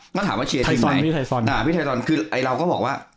ถ้าถามว่าเชียร์ทีมไหนพี่ไทยซอนคือเราก็บอกว่า